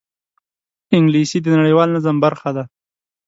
انګلیسي د نړیوال نظم برخه ده